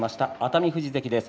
熱海富士関です。